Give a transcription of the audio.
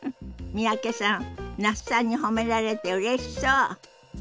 三宅さん那須さんに褒められてうれしそう。